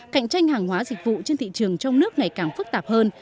cạnh tranh hàng hóa dịch vụ trên thị trường trong nước ngày càng phức tạp hơn